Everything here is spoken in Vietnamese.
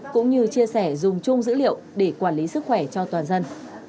cũng như chia sẻ dùng chung dữ liệu để quản lý sức khỏe cho toàn dân